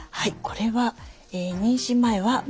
これは妊娠前は○。